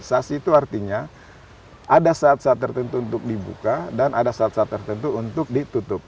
sasi itu artinya ada saat saat tertentu untuk dibuka dan ada saat saat tertentu untuk ditutup